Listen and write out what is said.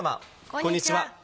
こんにちは。